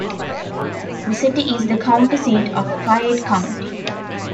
The city is the county seat of Fayette County.